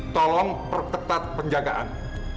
tolong perketat penjagaan